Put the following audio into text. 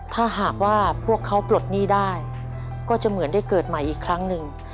ถ้าหากว่าพวกเขาปลดหนี้ได้ก็จะเหมือนได้เกิดใหม่อีกครั้งหนึ่ง